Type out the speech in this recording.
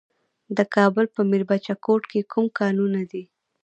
د کابل په میربچه کوټ کې کوم کانونه دي؟